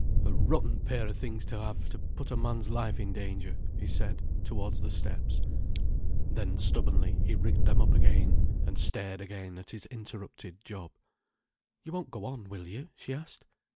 "A rotten pair of things to have, to put a man's life in danger," he said, towards the steps. Then stubbornly, he rigged them up again, and stared again at his interrupted job. "You won't go on, will you?" she asked.